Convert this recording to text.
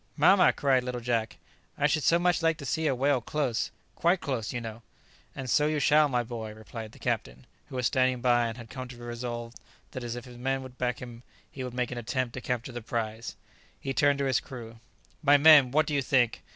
"Mamma!" cried little Jack, "I should so much like to see a whale close, quite close, you know." "And so you shall, my boy," replied the captain, who was standing by, and had come to the resolve that if his men would back him, he would make an attempt to capture the prize. He turned to his crew, "My men! what do you think?